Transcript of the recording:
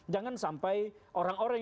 jangan sampai orang orang